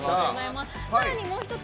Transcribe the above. さらにもう一つ